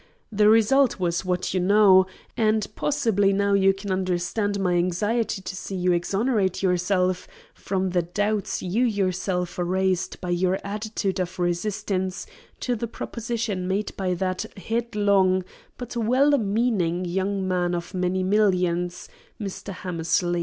The result was what you know, and possibly now you can understand my anxiety to see you exonerate yourself from the doubts you yourself raised by your attitude of resistance to the proposition made by that head long, but well meaning, young man of many millions, Mr. Hammersley.